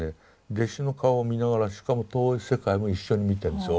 弟子の顔を見ながらしかも遠い世界も一緒に見てるんですよ